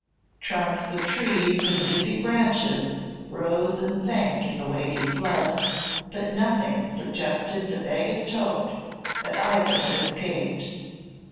Trunks of trees and leafy branches rose and sank in the wavy flood, but nothing suggested the vaguest hope that either had escaped.